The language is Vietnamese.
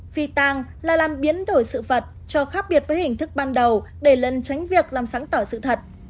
phi tang là làm biến đổi sự vật cho khác biệt với hình thức ban đầu để lần tránh việc làm sáng tỏ sự thật